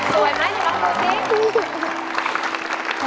สวยไหมหนูดูสิ